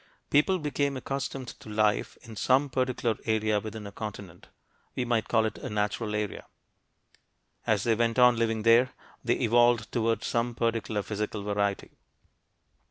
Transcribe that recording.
People became accustomed to life in some particular area within a continent (we might call it a "natural area"). As they went on living there, they evolved towards some particular physical variety.